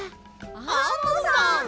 アンモさん！